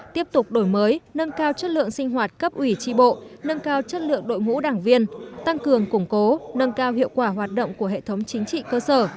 tiếp tục đổi mới nâng cao chất lượng sinh hoạt cấp ủy tri bộ nâng cao chất lượng đội ngũ đảng viên tăng cường củng cố nâng cao hiệu quả hoạt động của hệ thống chính trị cơ sở